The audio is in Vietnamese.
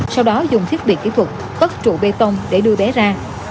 sau đó dùng thiết bị kỹ thuật cất trụ bê tông để đưa bé ra